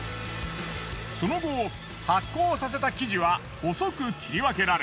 その後発酵させた生地は細く切り分けられ。